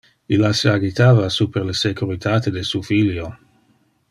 Illa se agitava super le securitate de su filio.